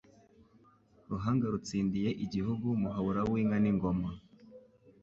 Ruhanga rutsindiye igihugu Muhabura w'inka n'ingoma,